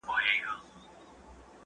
که ماشوم ته حق ورنکړل سي نو ضعیف لویږي.